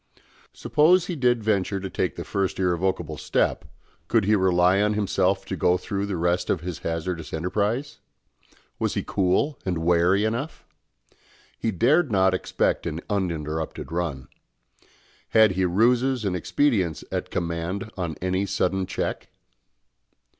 Suppose he did venture to take the first irrevocable step, could he rely on himself to go through the rest of his hazardous enterprise? Was he cool and wary enough? He dared not expect an uninterrupted run. Had he ruses and expedients at command on any sudden check?